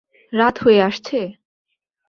রাত হয়ে আসছে?